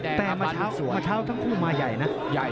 แต่มาเช้าทั้งคู่มาใหญ่นะ